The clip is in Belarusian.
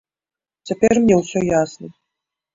Цяпер мне ўсё ясна.